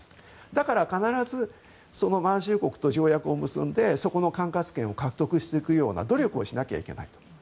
だから必ず、満州国と条約を結んでそこの管轄権を獲得していくような努力をしなければいけないと。